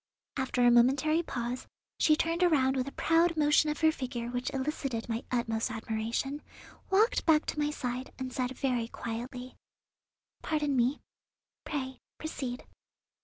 After a momentary pause she turned around with a proud motion of her figure which elicited my utmost admiration, walked back to my side, and said very quietly: "Pardon me; pray proceed."